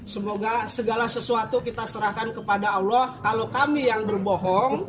semoga segala sesuatu kita serahkan kepada allah